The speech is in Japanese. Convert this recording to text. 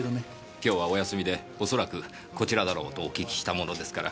今日はお休みでおそらくこちらだろうとお聞きしたものですから。